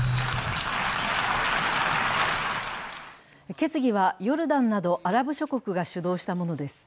決議はヨルダンなどアラブ諸国が主導したものです。